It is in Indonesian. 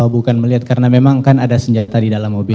bukan melihat karena memang kan ada senjata di dalam mobil